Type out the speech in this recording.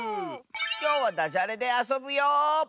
きょうはダジャレであそぶよ！